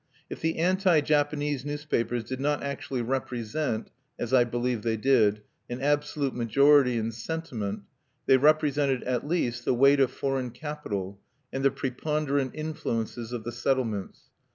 If the "anti Japanese" newspapers did not actually represent as I believe they did an absolute majority in sentiment, they represented at least the weight of foreign capital, and the preponderant influences of the settlements.